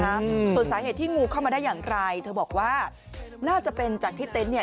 อืมส่วนสาเหตุที่งูเข้ามาได้อย่างไรเธอบอกว่าน่าจะเป็นจากที่เต็นต์เนี่ย